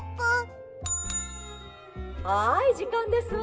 「はいじかんですわ！